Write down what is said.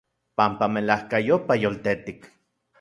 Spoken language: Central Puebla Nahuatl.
Panpa melajkayopa yoltetik.